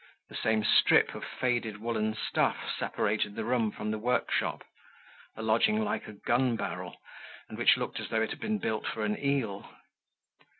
The same strip of faded woolen stuff separated the room from the workshop, a lodging like a gun barrel, and which looked as though it had been built for an eel.